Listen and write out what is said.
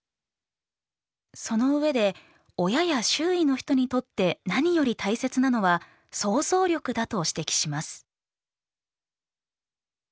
そのうえで親や周囲の人にとって何より大切なのは想像力だと指摘します。